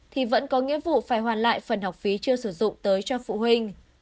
thì vẫn có nghĩa vụ phải hoàn lại phần học phí chưa sử dụng tới cho phụ huynh